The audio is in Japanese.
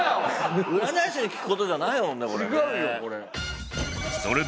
占い師に聞く事じゃないもんねこれね。